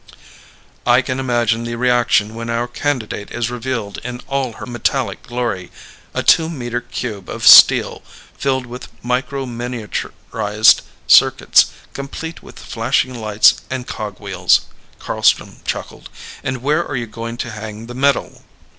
"I can imagine the reaction when our candidate is revealed in all her metallic glory. A two meter cube of steel filled with microminiaturized circuits, complete with flashing lights and cogwheels," Carlstrom chuckled. "And where are you going to hang the medal?"